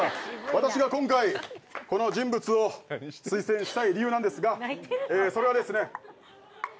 私が今回この人物を推薦したい理由なんですがそれはですね。